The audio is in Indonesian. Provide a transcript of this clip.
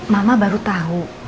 mama baru tahu